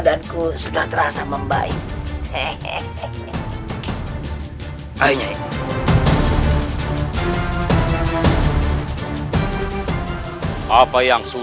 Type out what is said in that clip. dan ini adalah kebenaranmu